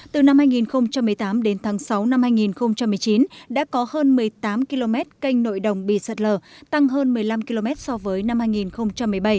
từ năm hai nghìn một mươi tám đến tháng sáu năm hai nghìn một mươi chín đã có hơn một mươi tám km canh nội đồng bị sạt lở tăng hơn một mươi năm km so với năm hai nghìn một mươi bảy